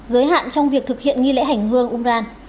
giới hạn trong việc thực hiện nghi lễ hành hương umran